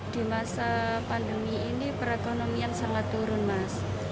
di masa pandemi ini perekonomian sangat turun mas